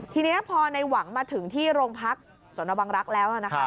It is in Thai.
ทีนี้พอในหวังมาถึงที่โรงพักสนบังรักษ์แล้วนะคะ